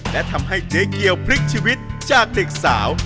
และทำให้เจ๊เกียวพลิกชีวิตจากเด็กสาว